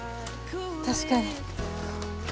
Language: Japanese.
確かに。